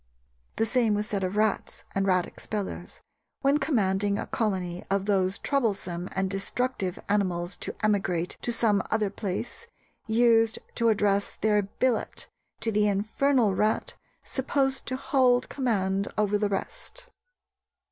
The same was said of rats; and rat expellers, when commanding a colony of those troublesome and destructive animals to emigrate to some other place, used to address their 'billet' to the infernal rat supposed to hold command over the rest.